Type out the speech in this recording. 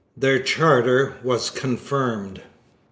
Their charter was confirmed.